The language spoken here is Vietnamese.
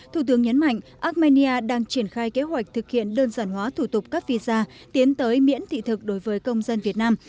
thủ tướng nhấn mạnh armenia đang triển khai kế hoạch thực hiện đơn giản hóa thủ tục các visa tiến tới miễn thị thực đối với công dân việt nam